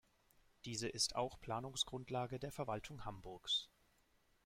Diese ist auch Planungsgrundlage der Verwaltung Hamburgs.